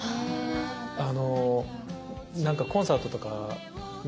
あのなんかコンサートとかね